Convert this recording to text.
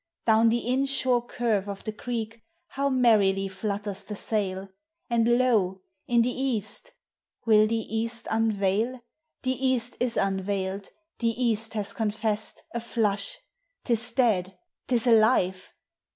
down the inshore curve of the creek How merrily flutters the sail. And lo! in the Kasl ! Will the Eas1 unveil? The Eas1 is unveiled, (he Kasl h;is confessed A Hush: 't is dead! 't is alive!